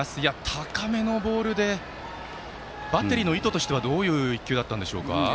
高めのボールでバッテリーの意図としてはどういう１球だったんでしょうか。